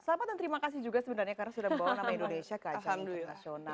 selamat dan terima kasih juga sebenarnya karena sudah membawa nama indonesia ke ajang internasional